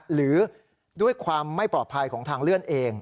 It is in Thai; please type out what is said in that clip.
หรือด้วยความไม่ปลอดภัยของทางเลื่อนเอง